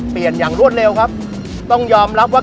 เปลี่ยนอย่างลวดเร็วครับต้องยอมรับว่า